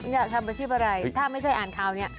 อยากทำอาชีพอะไรถ้าไม่ใช่อ่านข่าวนี้